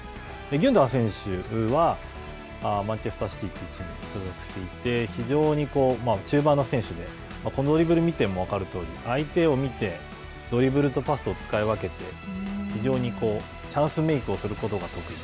ギュンドアン選手は、マンチェスターシティというチームに所属していて、中盤の選手で、このドリブルを見ても分かるとおり、ドリブルとパスを使い分けて、非常にチャンスメークをすることが得意。